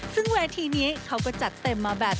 ซึ่งเวทีนี้เขาก็จัดเต็มมาแบบ